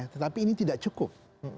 tetapi ini tidak cukup